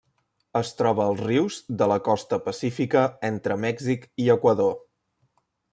Es troba als rius de la costa pacífica entre Mèxic i Equador.